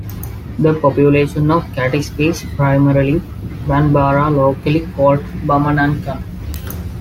The population of Kati speaks primarily Bambara locally called Bamanankan.